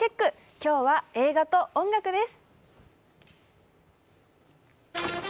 今日は映画と音楽です。